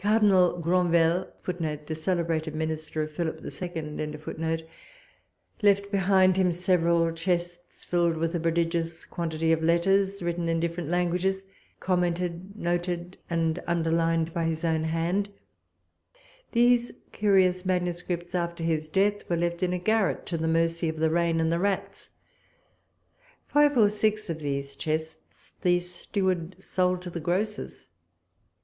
Cardinal Granvelle left behind him several chests filled with a prodigious quantity of letters written in different languages, commented, noted, and underlined by his own hand. These curious manuscripts, after his death, were left in a garret to the mercy of the rain and the rats. Five or six of these chests the steward sold to the grocers.